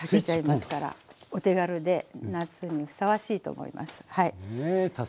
お手軽で夏にふさわしいと思います。